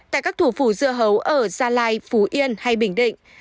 tại các thủ phủ dưa hấu ở gia lai phú yên hay bình định